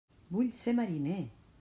Vull ser mariner!